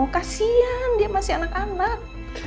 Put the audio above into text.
kasian dia masih anak anak